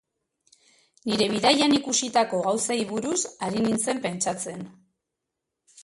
Nire bidaian ikusitako gauzei buruz ari nintzen pentsatzen.